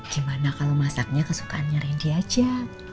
gimana kalau masaknya kesukaannya rendy aja